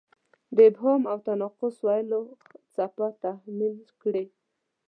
د ابهام او تناقض ویلو څپه تحمیل کړې.